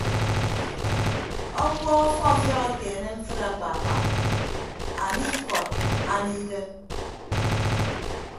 Ọkuọọk ọfiọfiọk ekeene mfịd akpaakpa anie ikọd anie idem.